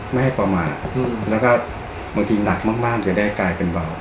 ไม่ให้ประมาทแล้วก็บางทีหนักมากจะได้กลายเป็นเบา